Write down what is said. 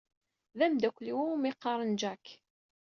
D amdakel-iw iwumi qqaren Jack.